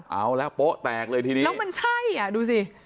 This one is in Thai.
เอาแล้วโป๊ะแตกเลยทีนี้แล้วมันใช่อ่ะดูสิ